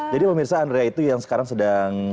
jadi pemirsa andrea itu yang sekarang sedang